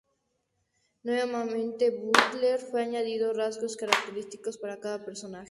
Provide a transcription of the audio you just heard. Nuevamente, Butler fue añadiendo rasgos característicos para cada personaje.